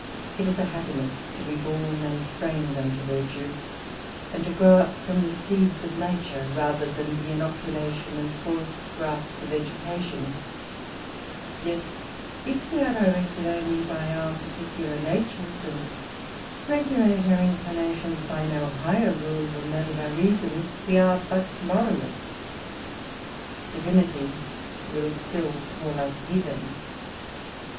It is a happiness to be born and framed unto virtue, and to grow up from the seeds of nature, rather than the inoculation and forced grafts of education: yet if we are directed only by our particular Natures, and regulate our inclinations by no higher rule than that of our reasons, we are but Moralists; Divinity will still call us Heathens.